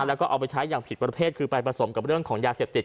แล้วก็เอาไปใช้อย่างผิดประเภทคือไปผสมกับเรื่องของยาเสพติด